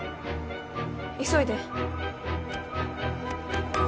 急いで。